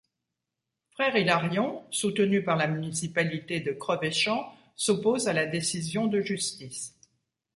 Frère Hilarion, soutenu par la Municipalité de Crevéchamps, s’oppose à la décision de justice.